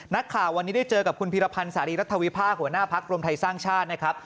นักข่าววันนี้ได้เจอกับคุณพีรพันธ์สารีรัฐวิภาคหัวหน้าพักรวมไทยสร้างชาตินะครับ